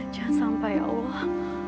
jangan sampai ya allah